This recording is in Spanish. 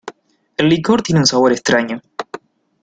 El licor tiene un sabor extraño.